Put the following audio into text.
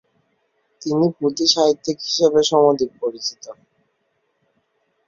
তিনি পুথিঁ সাহিত্যিক হিসেবে সমধিক পরিচিত।